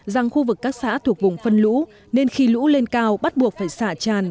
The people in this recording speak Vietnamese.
rằng khu vực các xã thuộc vùng phân lũ nên khi lũ lên cao bắt buộc phải xả tràn